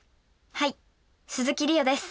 はい鈴木梨予です。